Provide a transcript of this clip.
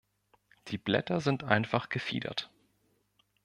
Die Blätter sind einfach gefiedert.